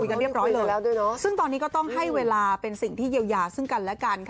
คุยกันเรียบร้อยเลยซึ่งตอนนี้ก็ต้องให้เวลาเป็นสิ่งที่เยียวยาซึ่งกันและกัน